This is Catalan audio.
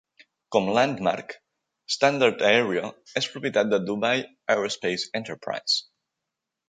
Com Landmark, StandardAero és propietat de Dubai Aerospace Enterprise.